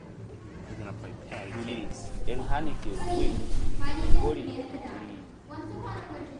Duli eŋ hani ke guy mgbori rih.